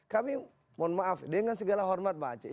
kami mohon maaf dengan segala hormat pak aceh